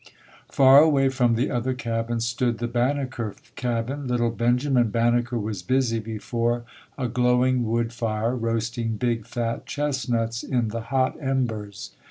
Far away from the other cabins stood the Ban neker cabin. Little Benjamin Banneker was busy before a glowing wood fire roasting big, fat chest nuts in the hot embers.